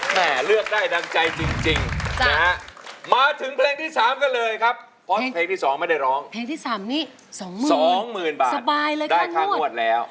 แม่เลือกได้ดังใจจริงมาถึงเพลงที่๓กันเลยครับเพลงที่๒ไม่ได้ร้องเพลงที่๓มี๒๐๐๐๐บาทสบายเลยค่ะนวดแล้ว